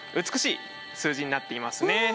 美しい数字になっていますね。